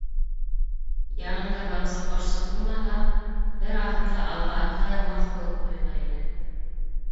Янында барыусы ҡошсоҡ булмаһа, бер аҙым да алға атлай алмаҫ кеүек тойола ине.